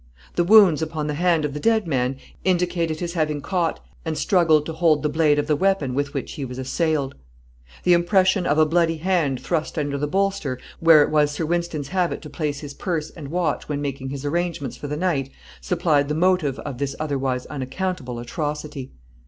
The wounds upon the hand of the dead man indicated his having caught and struggled to hold the blade of the weapon with which he was assailed. The impression of a bloody hand thrust under the bolster, where it was Sir Wynston's habit to place his purse and watch, when making his arrangements for the night, supplied the motive of this otherwise unaccountable atrocity.